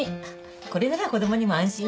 これなら子供にも安心ね。